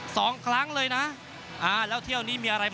สวัสดีครับ